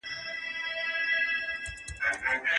یا د دوی په څېر د زور، عقل څښتن وي